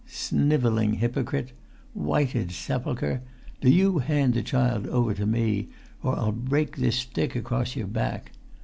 "Snivelling hypocrite! Whited sepulchre! Do you hand the child over to me, or I'll break this stick across your back.